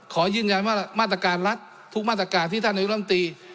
ขอยืนยันว่ามาตรการรัฐทุกมาตรการที่ท่านนายกรรมตรี